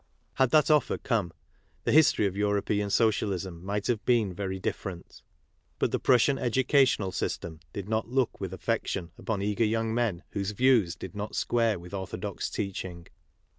Had that offer come, the history of European Socialism might have been very different. But the Prussian educational system did not look with affection upon eager young men whose views did not square with orthodox teaching.